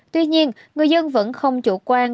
tuy nhiên người dân vẫn không chủ quan